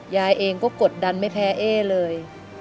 ยายเองก็กดดันไม่แพ้เอ๊เลย